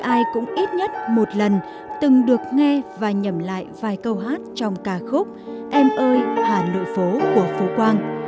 ai cũng ít nhất một lần từng được nghe và nhầm lại vài câu hát trong ca khúc em ơi hà nội phố của phú quang